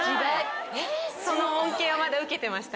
その恩恵をまだ受けてましたね。